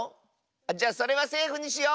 じゃそれはセーフにしよう！